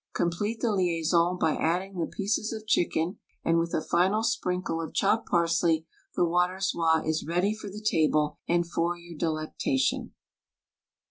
Complete the liaison by adding the pieces of chicken and, with a final sprinkle of chopped parsley, the Water zoie is ready for the table and for your delectation.